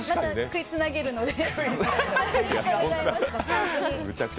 食いつなげるので。